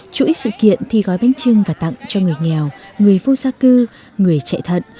chuỗi sự kiện thì gói bánh trưng và tặng cho người nghèo người vô gia cư người chạy thận